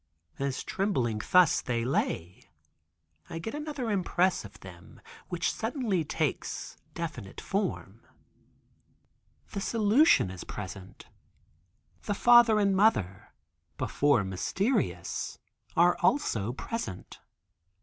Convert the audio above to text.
As trembling thus they lay, I get another impress of them which suddenly takes definite form. The solution is present. The father and mother, before mysterious, are also present.